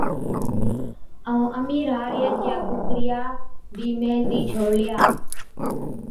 ائُون امِير هارِيا چِيا ڪُوڪڙِيا بِي ميهلتِي ڇوڙلِيا۔